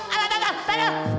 aduh aduh aduh